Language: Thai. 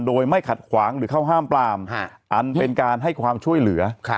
โดยไม่ขัดขวางหรือเข้าห้ามปรามอันเป็นการให้ความช่วยเหลือ